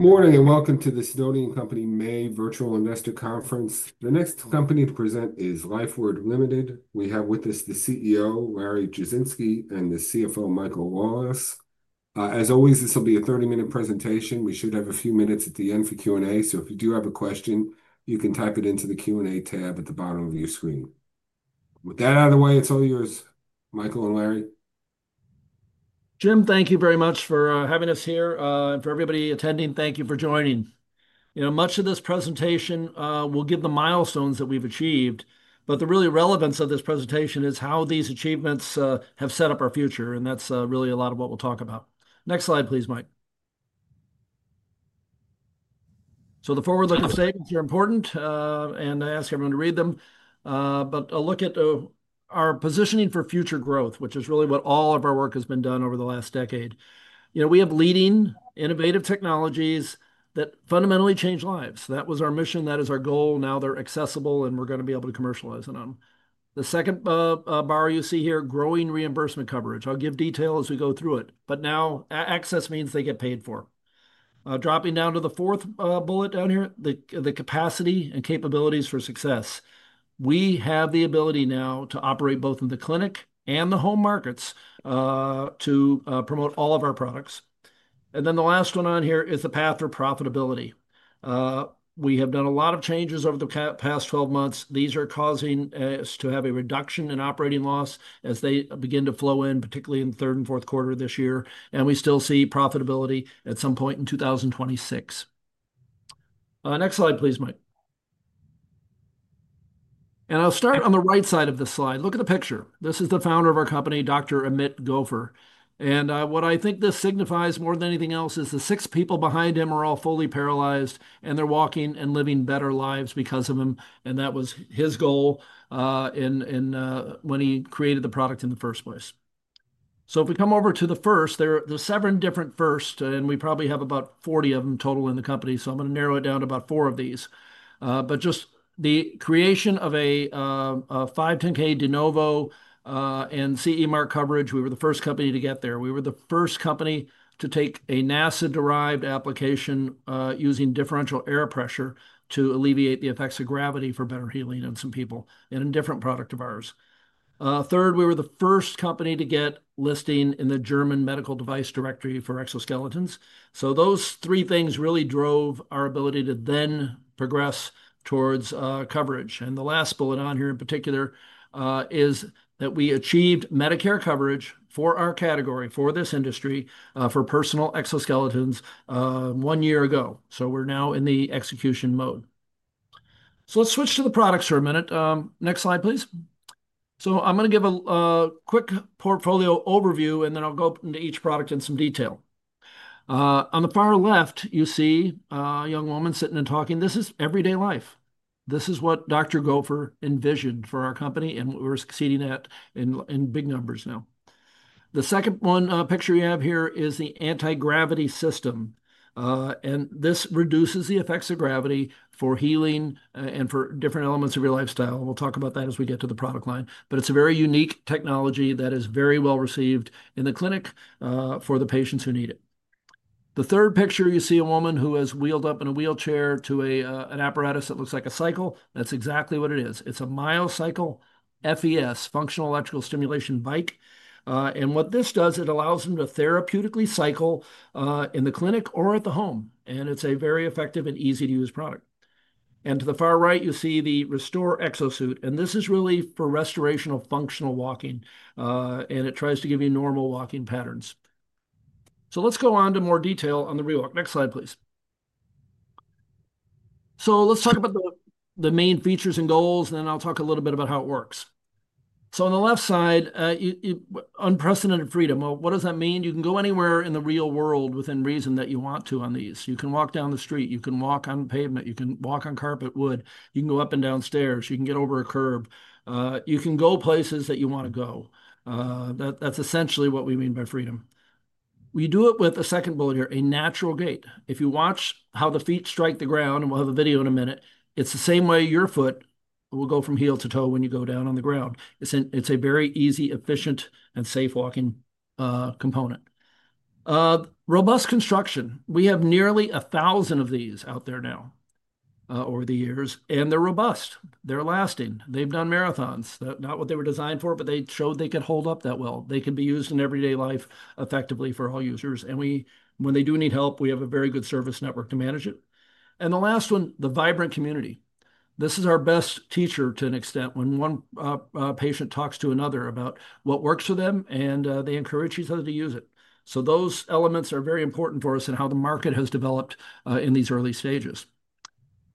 Good morning and welcome to the Snowdon Company May Virtual Investor Conference. The next company to present is Lifeward Ltd. We have with us the CEO, Larry Jasinski, and the CFO, Michael Wallace. As always, this will be a 30-minute presentation. We should have a few minutes at the end for Q&A, so if you do have a question, you can type it into the Q&A tab at the bottom of your screen. With that out of the way, it's all yours, Michael and Larry. Jim, thank you very much for having us here, and for everybody attending, thank you for joining. You know, much of this presentation will give the milestones that we've achieved, but the really relevance of this presentation is how these achievements have set up our future, and that's really a lot of what we'll talk about. Next slide, please, Mike. The forward-looking statements are important, and I ask everyone to read them, but I'll look at our positioning for future growth, which is really what all of our work has been done over the last decade. You know, we have leading innovative technologies that fundamentally change lives. That was our mission, that is our goal. Now they're accessible, and we're going to be able to commercialize them. The second bar you see here, growing reimbursement coverage. I'll give detail as we go through it, but now access means they get paid for. Dropping down to the fourth bullet down here, the capacity and capabilities for success. We have the ability now to operate both in the clinic and the home markets to promote all of our products. The last one on here is the path for profitability. We have done a lot of changes over the past 12 months. These are causing us to have a reduction in operating loss as they begin to flow in, particularly in the third and fourth quarter of this year, and we still see profitability at some point in 2026. Next slide, please, Mike. I'll start on the right side of this slide. Look at the picture. This is the founder of our company, Dr. Amit Goffer. What I think this signifies more than anything else is the six people behind him are all fully paralyzed, and they're walking and living better lives because of him, and that was his goal when he created the product in the first place. If we come over to the first, there are seven different firsts, and we probably have about 40 of them total in the company, so I'm going to narrow it down to about four of these. Just the creation of a 510(k) de novo and CE mark coverage, we were the first company to get there. We were the first company to take a NASA-derived application using differential air pressure to alleviate the effects of gravity for better healing in some people, and a different product of ours. Third, we were the first company to get listing in the German Medical Device Directory for exoskeletons. Those three things really drove our ability to then progress towards coverage. The last bullet on here in particular is that we achieved Medicare coverage for our category, for this industry, for personal exoskeletons one year ago. We're now in the execution mode. Let's switch to the products for a minute. Next slide, please. I'm going to give a quick portfolio overview, and then I'll go into each product in some detail. On the far left, you see a young woman sitting and talking. This is everyday life. This is what Dr. Goffer envisioned for our company, and we're succeeding at in big numbers now. The second one picture you have here is the anti-gravity system, and this reduces the effects of gravity for healing and for different elements of your lifestyle. We will talk about that as we get to the product line, but it is a very unique technology that is very well received in the clinic for the patients who need it. The third picture, you see a woman who has wheeled up in a wheelchair to an apparatus that looks like a cycle. That is exactly what it is. It is a MyoCycle FES, functional electrical stimulation bike. What this does, it allows them to therapeutically cycle in the clinic or at the home, and it is a very effective and easy-to-use product. To the far right, you see the Restore Exo-Suit, and this is really for restorational functional walking, and it tries to give you normal walking patterns. Let's go on to more detail on the ReWalk. Next slide, please. Let's talk about the main features and goals, and then I'll talk a little bit about how it works. On the left side, unprecedented freedom. What does that mean? You can go anywhere in the real world within reason that you want to on these. You can walk down the street, you can walk on pavement, you can walk on carpet, wood, you can go up and down stairs, you can get over a curb, you can go places that you want to go. That's essentially what we mean by freedom. We do it with the second bullet here, a natural gait. If you watch how the feet strike the ground, and we'll have a video in a minute, it's the same way your foot will go from heel to toe when you go down on the ground. It's a very easy, efficient, and safe walking component. Robust construction. We have nearly 1,000 of these out there now over the years, and they're robust, they're lasting, they've done marathons. Not what they were designed for, but they showed they could hold up that well. They can be used in everyday life effectively for all users, and when they do need help, we have a very good service network to manage it. The last one, the vibrant community. This is our best teacher to an extent when one patient talks to another about what works for them, and they encourage each other to use it. Those elements are very important for us in how the market has developed in these early stages.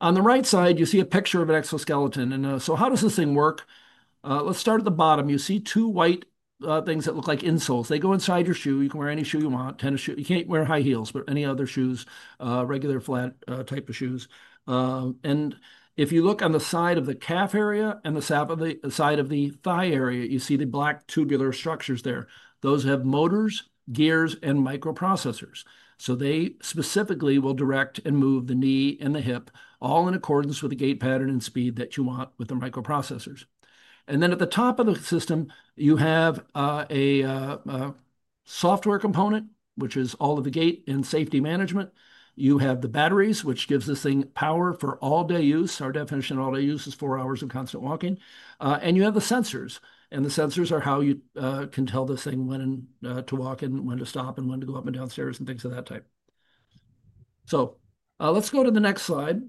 On the right side, you see a picture of an exoskeleton, and how does this thing work? Let's start at the bottom. You see two white things that look like insoles. They go inside your shoe. You can wear any shoe you want, tennis shoe. You can't wear high heels, but any other shoes, regular flat type of shoes. If you look on the side of the calf area and the side of the thigh area, you see the black tubular structures there. Those have motors, gears, and microprocessors. They specifically will direct and move the knee and the hip, all in accordance with the gait pattern and speed that you want with the microprocessors. At the top of the system, you have a software component, which is all of the gait and safety management. You have the batteries, which gives this thing power for all-day use. Our definition of all-day use is four hours of constant walking. You have the sensors, and the sensors are how you can tell this thing when to walk and when to stop and when to go up and down stairs and things of that type. Let's go to the next slide.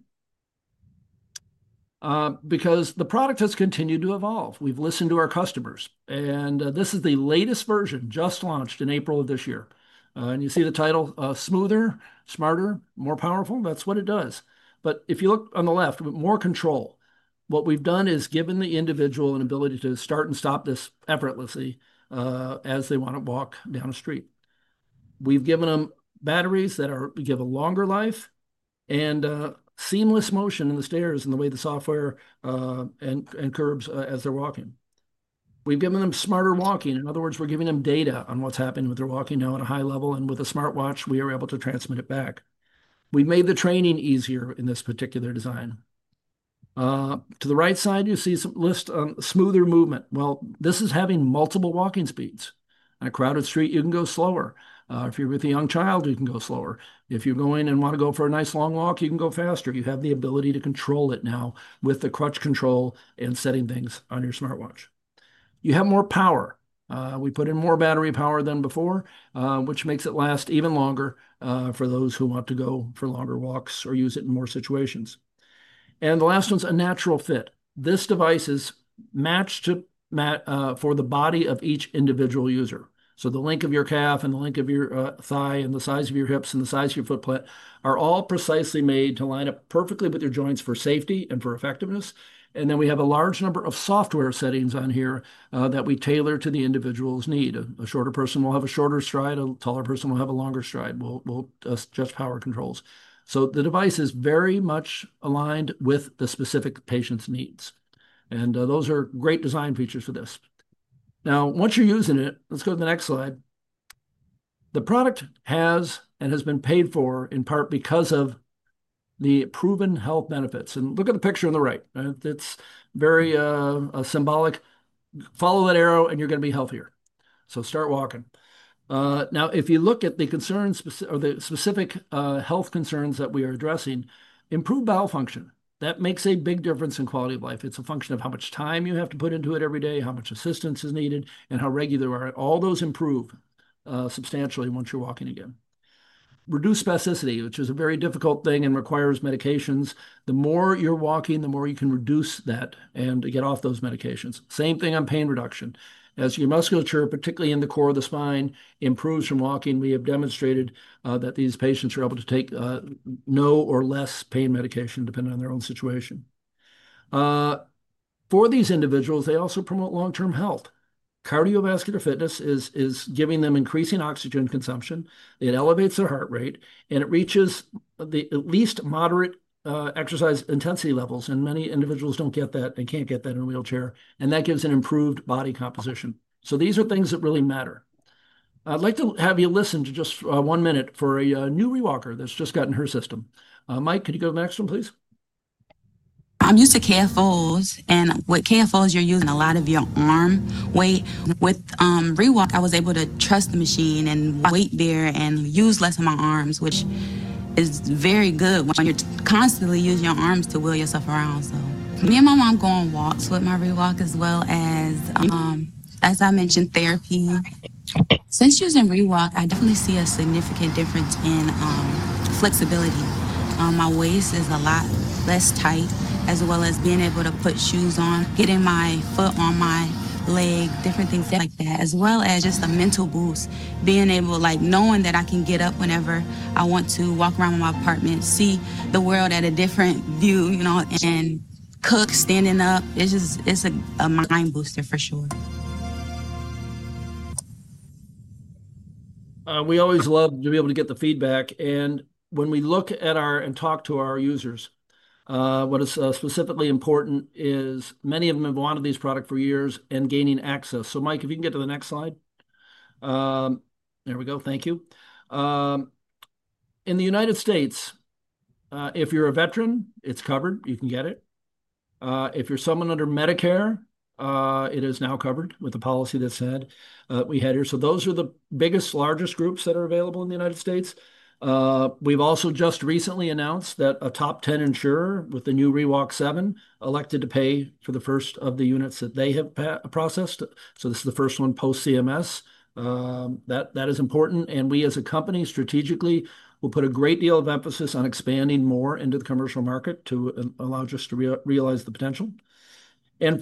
The product has continued to evolve. We've listened to our customers, and this is the latest version just launched in April of this year. You see the title, Smoother, Smarter, More Powerful. That's what it does. If you look on the left, more control. What we've done is given the individual an ability to start and stop this effortlessly as they want to walk down a street. We've given them batteries that give a longer life and seamless motion in the stairs and the way the software curbs as they're walking. We've given them smarter walking. In other words, we're giving them data on what's happening with their walking now at a high level, and with a smartwatch, we are able to transmit it back. We've made the training easier in this particular design. To the right side, you see a list on smoother movement. This is having multiple walking speeds. On a crowded street, you can go slower. If you're with a young child, you can go slower. If you're going and want to go for a nice long walk, you can go faster. You have the ability to control it now with the crutch control and setting things on your smartwatch. You have more power. We put in more battery power than before, which makes it last even longer for those who want to go for longer walks or use it in more situations. The last one's a natural fit. This device is matched for the body of each individual user. The length of your calf and the length of your thigh and the size of your hips and the size of your footplant are all precisely made to line up perfectly with your joints for safety and for effectiveness. We have a large number of software settings on here that we tailor to the individual's need. A shorter person will have a shorter stride. A taller person will have a longer stride. We'll adjust power controls. The device is very much aligned with the specific patient's needs, and those are great design features for this. Now, once you're using it, let's go to the next slide. The product has and has been paid for in part because of the proven health benefits. Look at the picture on the right. It's very symbolic. Follow that arrow, and you're going to be healthier. Start walking. Now, if you look at the specific health concerns that we are addressing, improved bowel function makes a big difference in quality of life. It's a function of how much time you have to put into it every day, how much assistance is needed, and how regular are all those improve substantially once you're walking again. Reduced spasticity, which is a very difficult thing and requires medications. The more you're walking, the more you can reduce that and get off those medications. Same thing on pain reduction. As your musculature, particularly in the core of the spine, improves from walking, we have demonstrated that these patients are able to take no or less pain medication depending on their own situation. For these individuals, they also promote long-term health. Cardiovascular fitness is giving them increasing oxygen consumption. It elevates their heart rate, and it reaches at least moderate exercise intensity levels, and many individuals don't get that. They can't get that in a wheelchair, and that gives an improved body composition. These are things that really matter. I'd like to have you listen to just one minute for a new ReWalker that's just gotten her system. Mike, could you go to the next one, please? I'm used to KFOs, and with KFOs, you're using a lot of your arm weight. With ReWalk, I was able to trust the machine and weight bear and use less of my arms, which is very good when you're constantly using your arms to wheel yourself around. So me and my mom go on walks with my ReWalk as well as, as I mentioned, therapy. Since using ReWalk, I definitely see a significant difference in flexibility. My waist is a lot less tight, as well as being able to put shoes on, getting my foot on my leg, different things like that, as well as just a mental boost, being able to, like, knowing that I can get up whenever I want to walk around my apartment, see the world at a different view, you know, and cook standing up. It's just, it's a mind booster for sure. We always love to be able to get the feedback, and when we look at our and talk to our users, what is specifically important is many of them have wanted these products for years and gaining access. So Mike, if you can get to the next slide. There we go. Thank you. In the U.S., if you're a veteran, it's covered. You can get it. If you're someone under Medicare, it is now covered with the policy that's had we had here. Those are the biggest, largest groups that are available in the U.S. We've also just recently announced that a top 10 insurer with the new ReWalk 7 elected to pay for the first of the units that they have processed. This is the first one post CMS. That is important, and we as a company strategically will put a great deal of emphasis on expanding more into the commercial market to allow just to realize the potential.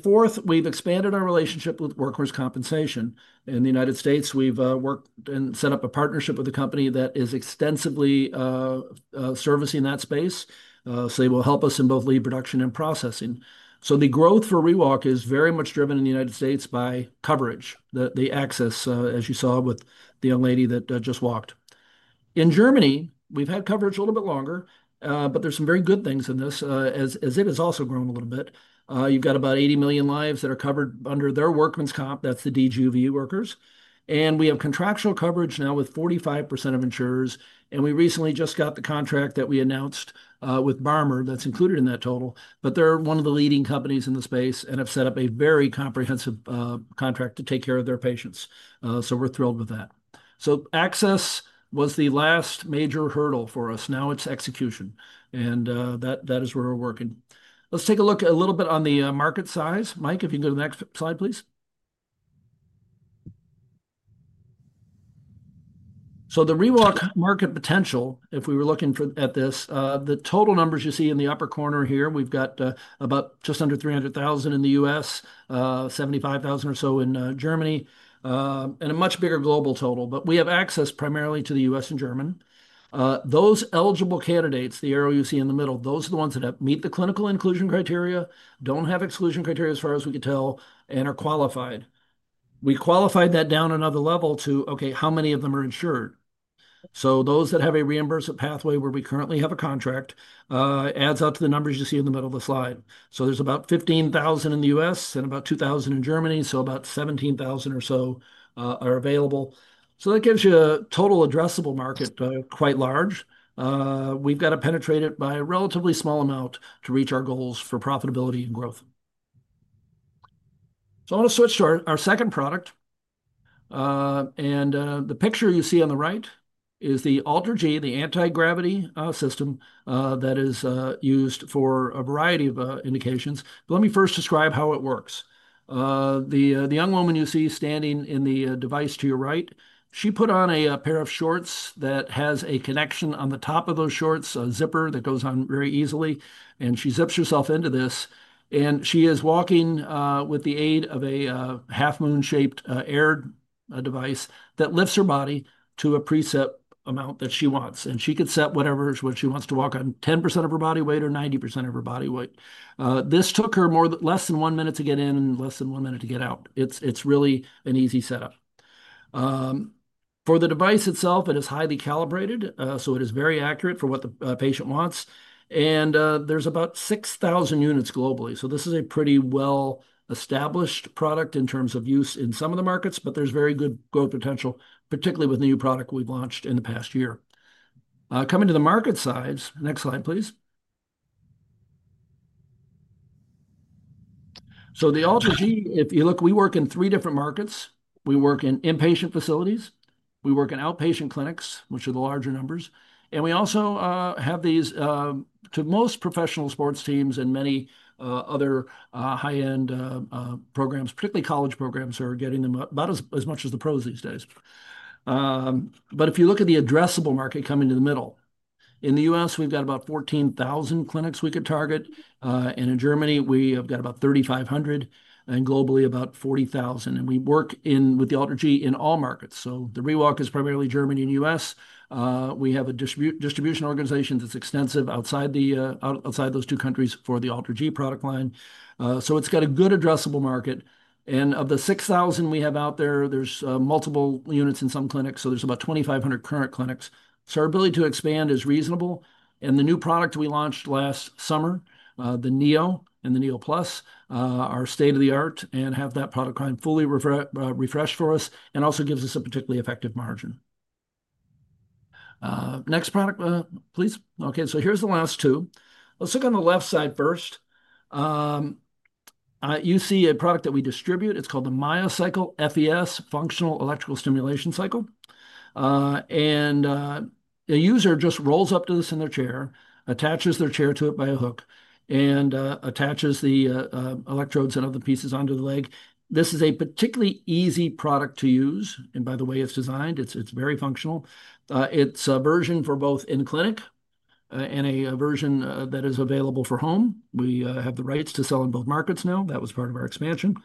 Fourth, we've expanded our relationship with workforce compensation. In the U.S., we've worked and set up a partnership with a company that is extensively servicing that space. They will help us in both lead production and processing. The growth for ReWalk is very much driven in the U.S. by coverage, the access, as you saw with the young lady that just walked. In Germany, we've had coverage a little bit longer, but there are some very good things in this, as it has also grown a little bit. You've got about 80 million lives that are covered under their workman's comp. That's the DGV workers. We have contractual coverage now with 45% of insurers, and we recently just got the contract that we announced with Barmer that's included in that total. They're one of the leading companies in the space and have set up a very comprehensive contract to take care of their patients. We're thrilled with that. Access was the last major hurdle for us. Now it's execution, and that is where we're working. Let's take a look a little bit on the market size. Mike, if you can go to the next slide, please. The ReWalk market potential, if we were looking at this, the total numbers you see in the upper corner here, we've got just under 300,000 in the U.S., 75,000 or so in Germany, and a much bigger global total. We have access primarily to the U.S. and German. Those eligible candidates, the arrow you see in the middle, those are the ones that meet the clinical inclusion criteria, don't have exclusion criteria as far as we could tell, and are qualified. We qualified that down another level to, okay, how many of them are insured? Those that have a reimbursement pathway where we currently have a contract adds up to the numbers you see in the middle of the slide. There are about 15,000 in the U.S. and about 2,000 in Germany, so about 17,000 or so are available. That gives you a total addressable market quite large. We've got to penetrate it by a relatively small amount to reach our goals for profitability and growth. I want to switch to our second product. The picture you see on the right is the AlterG, the anti-gravity system that is used for a variety of indications. Let me first describe how it works. The young woman you see standing in the device to your right, she put on a pair of shorts that has a connection on the top of those shorts, a zipper that goes on very easily, and she zips herself into this. She is walking with the aid of a half-moon-shaped air device that lifts her body to a preset amount that she wants. She could set whatever is what she wants to walk on, 10% of her body weight or 90% of her body weight. This took her less than one minute to get in and less than one minute to get out. It's really an easy setup. For the device itself, it is highly calibrated, so it is very accurate for what the patient wants. There's about 6,000 units globally. This is a pretty well-established product in terms of use in some of the markets, but there's very good growth potential, particularly with the new product we've launched in the past year. Coming to the market size, next slide, please. The AlterG, if you look, we work in three different markets. We work in inpatient facilities. We work in outpatient clinics, which are the larger numbers. We also have these to most professional sports teams and many other high-end programs, particularly college programs, who are getting them about as much as the pros these days. If you look at the addressable market coming to the middle, in the U.S., we've got about 14,000 clinics we could target. In Germany, we have got about 3,500 and globally about 40,000. We work with the AlterG in all markets. The ReWalk is primarily Germany and U.S. We have a distribution organization that's extensive outside those two countries for the AlterG product line. It has a good addressable market. Of the 6,000 we have out there, there are multiple units in some clinics. There are about 2,500 current clinics. Our ability to expand is reasonable. The new product we launched last summer, the Neo and the Neo Plus, are state of the art and have that product line fully refreshed for us and also give us a particularly effective margin. Next product, please. Okay, here's the last two. Let's look on the left side first. You see a product that we distribute. It's called the MyoCycle FES, functional electrical stimulation cycle. A user just rolls up to this in their chair, attaches their chair to it by a hook, and attaches the electrodes and other pieces onto the leg. This is a particularly easy product to use. By the way, it is designed, it is very functional. It is a version for both in clinic and a version that is available for home. We have the rights to sell in both markets now. That was part of our expansion.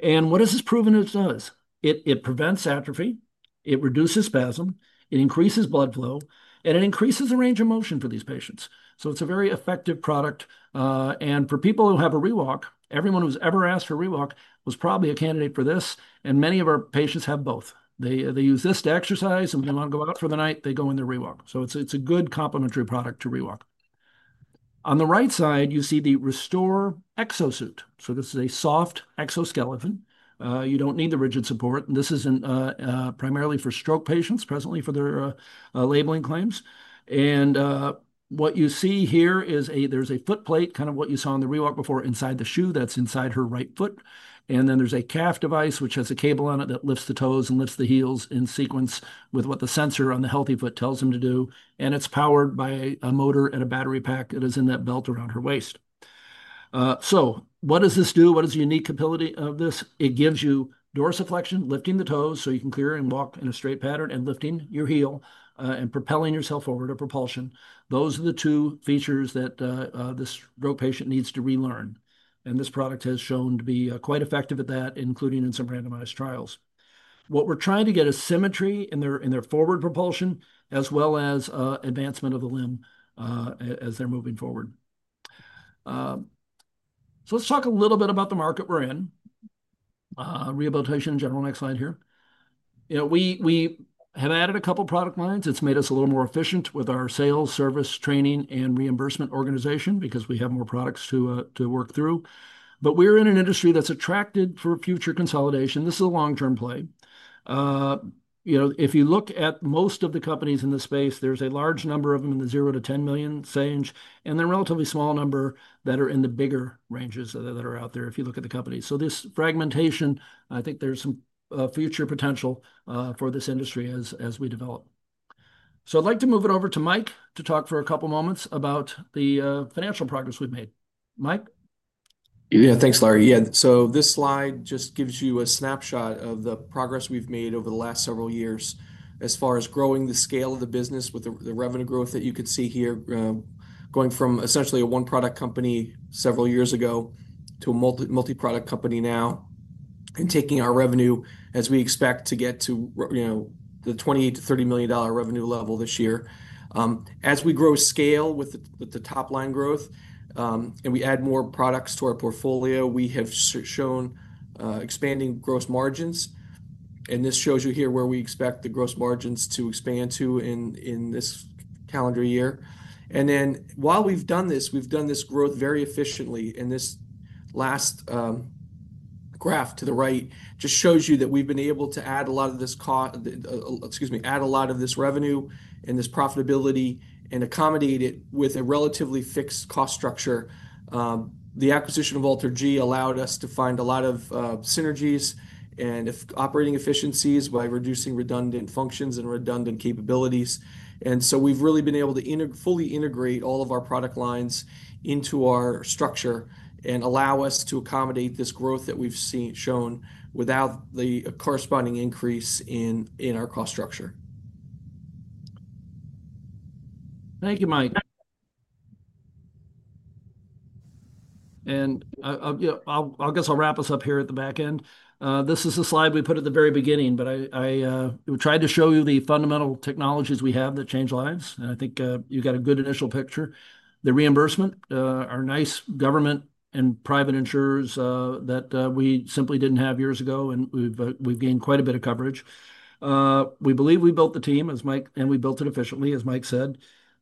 What has this proven it does? It prevents atrophy. It reduces spasm. It increases blood flow, and it increases the range of motion for these patients. It is a very effective product. For people who have a ReWalk, everyone who has ever asked for ReWalk was probably a candidate for this. Many of our patients have both. They use this to exercise, and when they want to go out for the night, they go in their ReWalk. It's a good complementary product to ReWalk. On the right side, you see the Restore Exo-Suit. This is a soft exoskeleton. You don't need the rigid support. This is primarily for stroke patients, presently for their labeling claims. What you see here is a footplate, kind of what you saw in the ReWalk before, inside the shoe that's inside her right foot. Then there's a calf device which has a cable on it that lifts the toes and lifts the heels in sequence with what the sensor on the healthy foot tells them to do. It's powered by a motor and a battery pack that is in that belt around her waist. What does this do? What is the unique ability of this? It gives you dorsiflexion, lifting the toes so you can clear and walk in a straight pattern and lifting your heel and propelling yourself forward to propulsion. Those are the two features that this stroke patient needs to relearn. And this product has shown to be quite effective at that, including in some randomized trials. What we're trying to get is symmetry in their forward propulsion as well as advancement of the limb as they're moving forward. Let's talk a little bit about the market we're in, rehabilitation in general. Next slide here. We have added a couple of product lines. It's made us a little more efficient with our sales, service, training, and reimbursement organization because we have more products to work through. We're in an industry that's attracted for future consolidation. This is a long-term play. If you look at most of the companies in this space, there's a large number of them in the zero-10 million range, and then a relatively small number that are in the bigger ranges that are out there if you look at the companies. This fragmentation, I think there's some future potential for this industry as we develop. I'd like to move it over to Mike to talk for a couple of moments about the financial progress we've made. Mike. Yeah, thanks, Larry. Yeah, so this slide just gives you a snapshot of the progress we've made over the last several years as far as growing the scale of the business with the revenue growth that you could see here, going from essentially a one-product company several years ago to a multi-product company now and taking our revenue as we expect to get to the $28-$30 million revenue level this year. As we grow scale with the top line growth and we add more products to our portfolio, we have shown expanding gross margins. This shows you here where we expect the gross margins to expand to in this calendar year. While we've done this, we've done this growth very efficiently. This last graph to the right just shows you that we've been able to add a lot of this cost, excuse me, add a lot of this revenue and this profitability and accommodate it with a relatively fixed cost structure. The acquisition of AlterG allowed us to find a lot of synergies and operating efficiencies by reducing redundant functions and redundant capabilities. We've really been able to fully integrate all of our product lines into our structure and allow us to accommodate this growth that we've shown without the corresponding increase in our cost structure. Thank you, Mike. I guess I'll wrap us up here at the back end. This is the slide we put at the very beginning, but I tried to show you the fundamental technologies we have that change lives. I think you got a good initial picture. The reimbursement, our nice government and private insurers that we simply didn't have years ago, and we've gained quite a bit of coverage. We believe we built the team, as Mike, and we built it efficiently, as Mike said.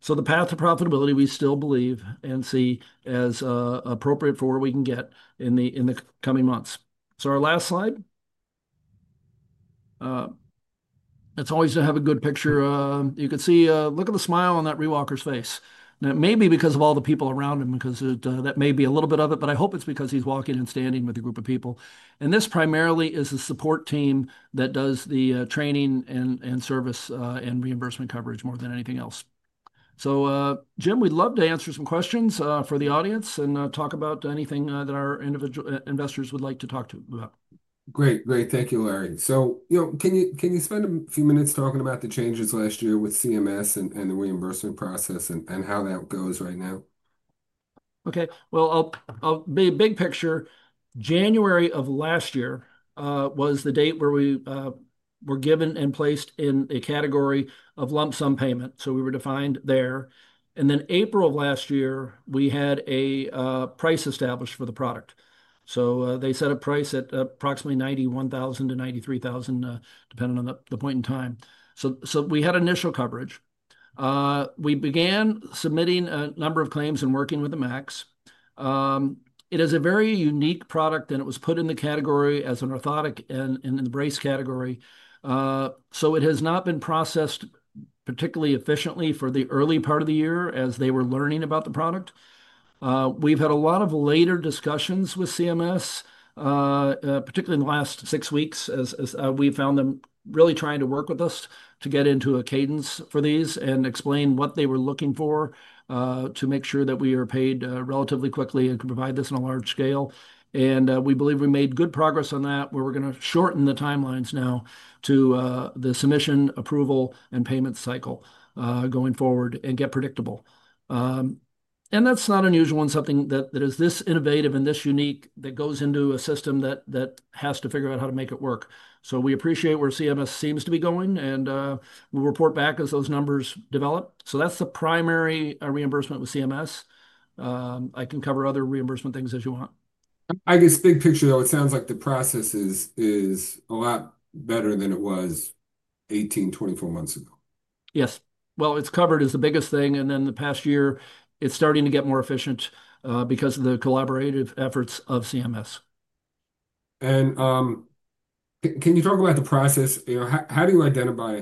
The path to profitability, we still believe and see as appropriate for where we can get in the coming months. Our last slide. It's always to have a good picture. You can see, look at the smile on that ReWalker's face. It may be because of all the people around him, because that may be a little bit of it, but I hope it's because he's walking and standing with a group of people. This primarily is the support team that does the training and service and reimbursement coverage more than anything else. Jim, we'd love to answer some questions for the audience and talk about anything that our individual investors would like to talk to you about. Great, great. Thank you, Larry. Can you spend a few minutes talking about the changes last year with CMS and the reimbursement process and how that goes right now? Okay, I'll be a big picture. January of last year was the date where we were given and placed in a category of lump sum payment. We were defined there. In April of last year, we had a price established for the product. They set a price at approximately $91,000-$93,000, depending on the point in time. We had initial coverage. We began submitting a number of claims and working with the MACs. It is a very unique product, and it was put in the category as an orthotic and in the brace category. It has not been processed particularly efficiently for the early part of the year as they were learning about the product. We've had a lot of later discussions with CMS, particularly in the last six weeks, as we found them really trying to work with us to get into a cadence for these and explain what they were looking for to make sure that we are paid relatively quickly and can provide this on a large scale. We believe we made good progress on that, where we're going to shorten the timelines now to the submission, approval, and payment cycle going forward and get predictable. That's not unusual in something that is this innovative and this unique that goes into a system that has to figure out how to make it work. We appreciate where CMS seems to be going, and we'll report back as those numbers develop. That's the primary reimbursement with CMS. I can cover other reimbursement things as you want. I guess big picture, though, it sounds like the process is a lot better than it was 18, 24 months ago. Yes. It is covered is the biggest thing. In the past year, it is starting to get more efficient because of the collaborative efforts of CMS. Can you talk about the process? How do you identify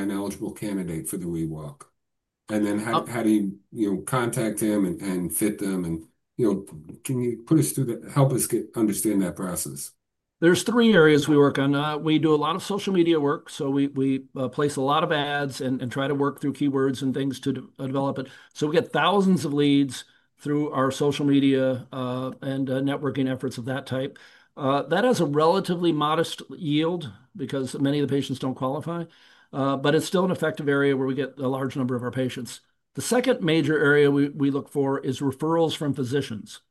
an eligible candidate for the ReWalk? How do you contact them and fit them? Can you put us through that, help us understand that process? are three areas we work on. We do a lot of social media work. We place a lot of ads and try to work through keywords and things to develop it. We get thousands of leads through our social media and networking efforts of that type. That has a relatively modest yield because many of the patients do not qualify. It is still an effective area where we get a large number of our patients. The second major area we look for is referrals from physicians.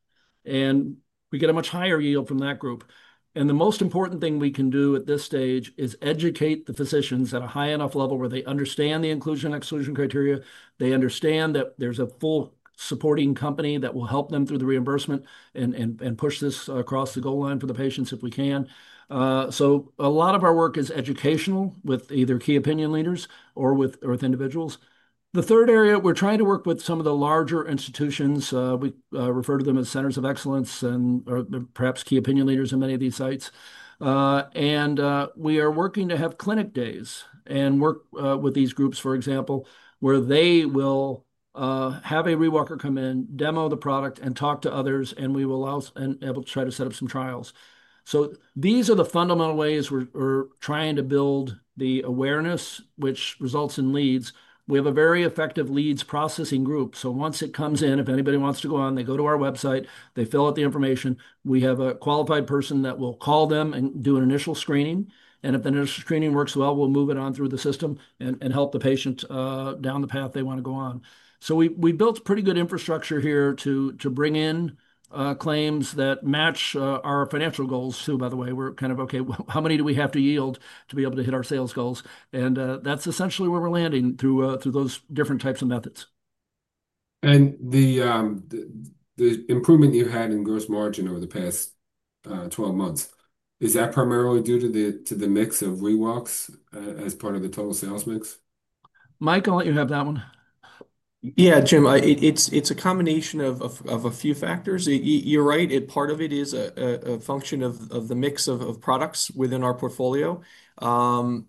We get a much higher yield from that group. The most important thing we can do at this stage is educate the physicians at a high enough level where they understand the inclusion and exclusion criteria. They understand that there's a full supporting company that will help them through the reimbursement and push this across the goal line for the patients if we can. A lot of our work is educational with either key opinion leaders or with individuals. The third area, we're trying to work with some of the larger institutions. We refer to them as centers of excellence and perhaps key opinion leaders in many of these sites. We are working to have clinic days and work with these groups, for example, where they will have a ReWalker come in, demo the product, and talk to others, and we will be able to try to set up some trials. These are the fundamental ways we're trying to build the awareness, which results in leads. We have a very effective leads processing group. Once it comes in, if anybody wants to go on, they go to our website, they fill out the information. We have a qualified person that will call them and do an initial screening. If the initial screening works well, we'll move it on through the system and help the patient down the path they want to go on. We've built pretty good infrastructure here to bring in claims that match our financial goals too, by the way. We're kind of, okay, how many do we have to yield to be able to hit our sales goals? That's essentially where we're landing through those different types of methods. The improvement you had in gross margin over the past 12 months, is that primarily due to the mix of ReWalks as part of the total sales mix? Mike, I'll let you have that one. Yeah, Jim, it's a combination of a few factors. You're right. Part of it is a function of the mix of products within our portfolio. As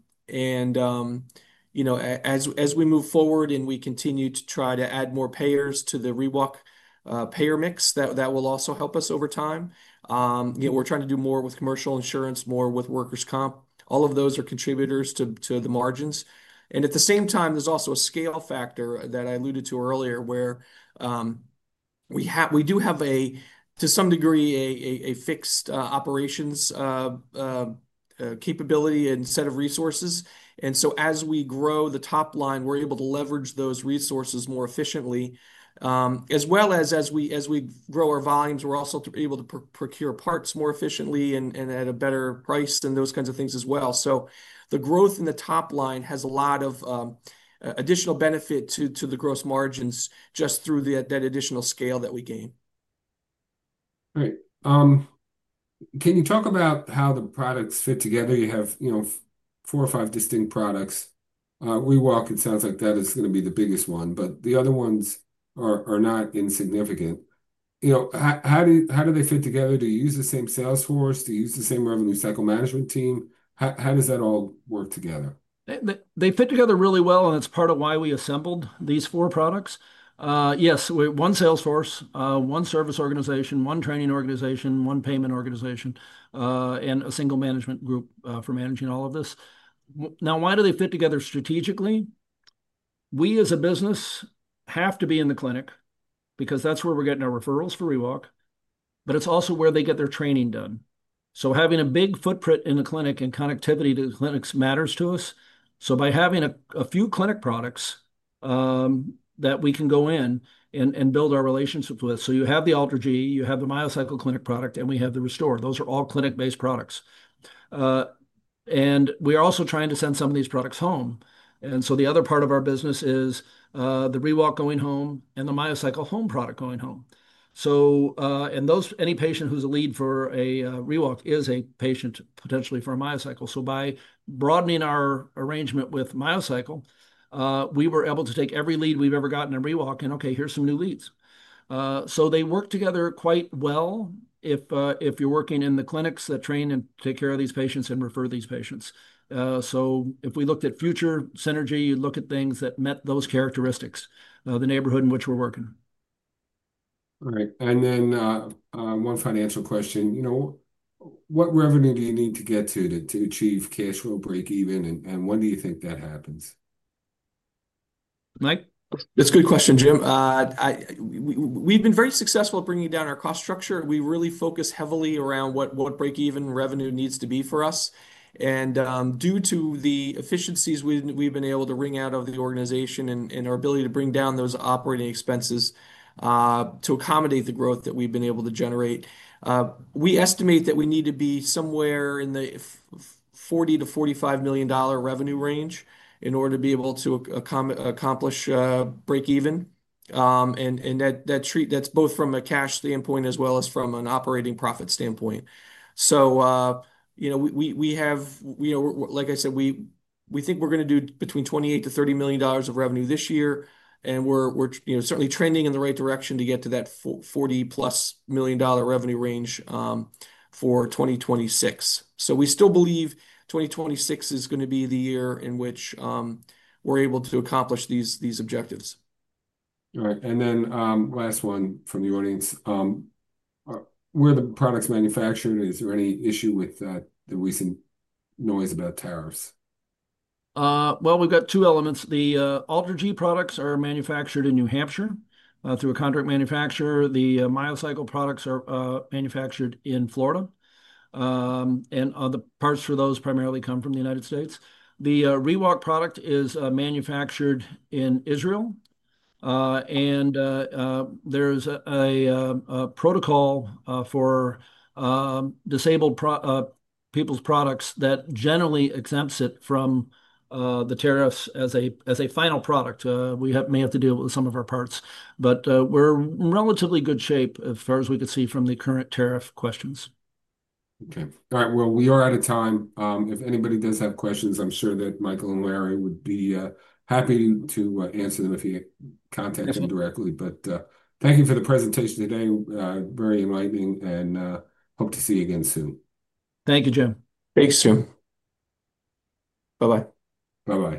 we move forward and we continue to try to add more payers to the ReWalk payer mix, that will also help us over time. We're trying to do more with commercial insurance, more with workers' comp. All of those are contributors to the margins. At the same time, there's also a scale factor that I alluded to earlier where we do have, to some degree, a fixed operations capability and set of resources. As we grow the top line, we're able to leverage those resources more efficiently, as well as as we grow our volumes, we're also able to procure parts more efficiently and at a better price and those kinds of things as well. The growth in the top line has a lot of additional benefit to the gross margins just through that additional scale that we gain. All right. Can you talk about how the products fit together? You have four or five distinct products. ReWalk, it sounds like that is going to be the biggest one, but the other ones are not insignificant. How do they fit together? Do you use the same Salesforce? Do you use the same revenue cycle management team? How does that all work together? They fit together really well, and it is part of why we assembled these four products. Yes, one Salesforce, one service organization, one training organization, one payment organization, and a single management group for managing all of this. Now, why do they fit together strategically? We, as a business, have to be in the clinic because that is where we are getting our referrals for ReWalk, but it is also where they get their training done. Having a big footprint in the clinic and connectivity to the clinics matters to us. By having a few clinic products that we can go in and build our relationships with. You have the AlterG, you have the MyoCycle clinic product, and we have the Restore. Those are all clinic-based products. We are also trying to send some of these products home. The other part of our business is the ReWalk going home and the MyoCycle home product going home. Any patient who's a lead for a ReWalk is a patient potentially for a MyoCycle. By broadening our arrangement with MyoCycle, we were able to take every lead we've ever gotten in ReWalk and, okay, here's some new leads. They work together quite well if you're working in the clinics that train and take care of these patients and refer these patients. If we looked at future synergy, you'd look at things that met those characteristics, the neighborhood in which we're working. All right. One financial question. What revenue do you need to get to achieve cash flow breakeven, and when do you think that happens? Mike? That's a good question, Jim. We've been very successful at bringing down our cost structure. We really focus heavily around what breakeven revenue needs to be for us. Due to the efficiencies we've been able to wring out of the organization and our ability to bring down those operating expenses to accommodate the growth that we've been able to generate, we estimate that we need to be somewhere in the $40-$45 million revenue range in order to be able to accomplish breakeven. That's both from a cash standpoint as well as from an operating profit standpoint. Like I said, we think we're going to do between $28-$30 million of revenue this year, and we're certainly trending in the right direction to get to that $40-plus million revenue range for 2026. We still believe 2026 is going to be the year in which we're able to accomplish these objectives. All right. And then last one from the audience. Where are the products manufactured? Is there any issue with the recent noise about tariffs? We have got two elements. The AlterG products are manufactured in New Hampshire through a contract manufacturer. The MyoCycle products are manufactured in Florida. The parts for those primarily come from the United States. The ReWalk product is manufactured in Israel. There is a protocol for disabled people's products that generally exempts it from the tariffs as a final product. We may have to deal with some of our parts, but we are in relatively good shape as far as we could see from the current tariff questions. Okay. All right. We are out of time. If anybody does have questions, I'm sure that Michael and Larry would be happy to answer them if you contacted them directly. Thank you for the presentation today. Very enlightening, and hope to see you again soon. Thank you, Jim. Thanks, Jim. Bye-bye. Bye-bye.